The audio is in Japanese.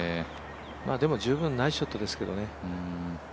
でも十分ナイスショットですけどね。